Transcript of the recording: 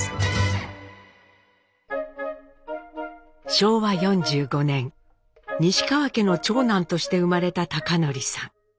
昭和４５年西川家の長男として生まれた貴教さん。